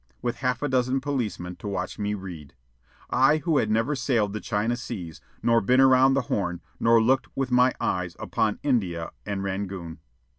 with half a dozen policemen to watch me read I who had never sailed the China seas, nor been around the Horn, nor looked with my eyes upon India and Rangoon.